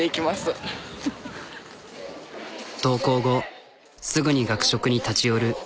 登校後すぐに学食に立ち寄る。